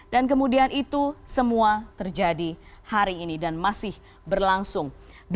dan kemudian itu semua terjadi hari ini dan masih berlangsung